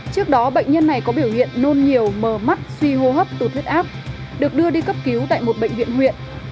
trước đó bệnh nhân này có biểu hiện nôn nhiều mờ mắt suy hô hấp tụt áp được đưa đi cấp cứu tại một bệnh viện huyện